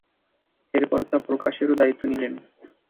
এরপর তা প্রকাশেরও দায়িত্ব নিলেন।